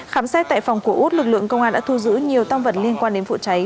khám xét tại phòng của út lực lượng công an đã thu giữ nhiều tăng vật liên quan đến vụ cháy